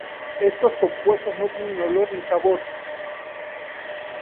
Estos compuestos no tienen olor ni sabor.